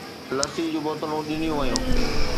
لسي جون بوتلون ڏنيون ويون.